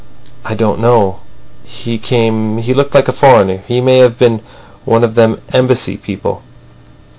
"I don't know. He came. He looked like a foreigner. He may have been one of them Embassy people."